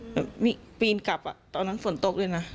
อย่างนี้ก็ปีนกลับตอนนั้นฝนตกเลยนะ